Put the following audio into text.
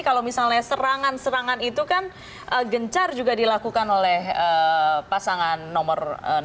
kalau misalnya serangan serangan itu kan gencar juga dilakukan oleh pasangan nomor satu